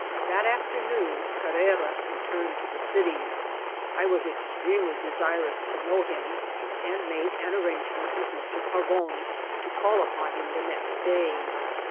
That afternoon Carrera returned to the city. I was extremely desirous to know him, and made an arrange* ment with Bfr. Pavon to call upon him the next day.